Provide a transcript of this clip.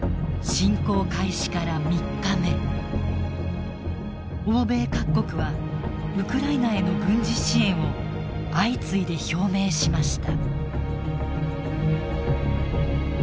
侵攻開始から３日目欧米各国はウクライナへの軍事支援を相次いで表明しました。